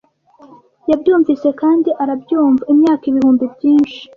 Yabyumvise kandi arabyumva imyaka ibihumbi byinshi;